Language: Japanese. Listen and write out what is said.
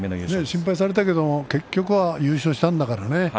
心配されたけれども結局は優勝したんだからね。